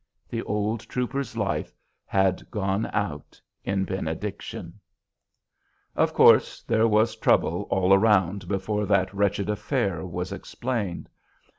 The old trooper's life had gone out in benediction. Of course there was trouble all around before that wretched affair was explained.